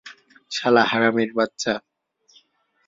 শালা হারামীর বাচ্চা।